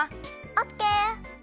オッケー。